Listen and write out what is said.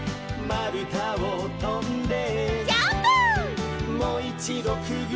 「まるたをとんで」